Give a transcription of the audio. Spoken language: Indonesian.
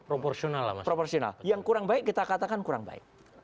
proporsional lah maksudnya proporsional yang kurang baik kita katakan kurang baik